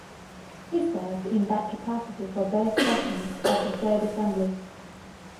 He served in that capacity for both sessions of the Third Assembly.